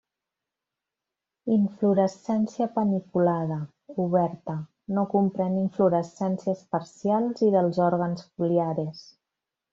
Inflorescència paniculada; oberta; no comprèn inflorescències parcials i dels òrgans foliares.